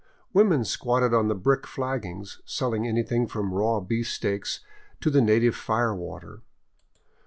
Women squatted on the brick flaggings, selling anything from raw beefsteaks to the native fire water.